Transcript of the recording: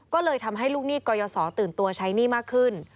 ก็เลยทำให้ลูกหนี้กรยศตื่นตัวใช้หนี้มากขึ้น